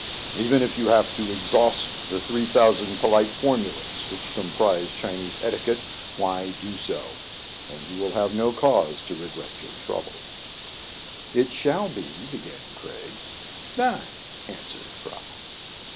Even if you have to exhaust the three thousand polite formulas which comprise Chinese etiquette, why do so, and you will have no cause to regret your trouble." * WILL NOT SURPRISE TIÏE READER. 91 " It shall be "— began Craig. "Done/* answered Fry.